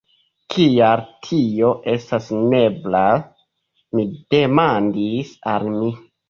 "Kial tio estas neebla?" mi demandis al mi.